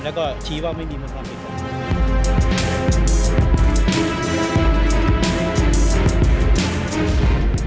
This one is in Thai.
แล้วก็ชี้ว่าไม่มีความเป็นธรรม